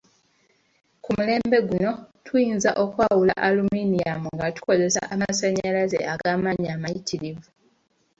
Ku mulembe guno, tuyinza okwawula aluminiyamu nga tukozesea amasanyalaze ag'amaanyi amayitirivu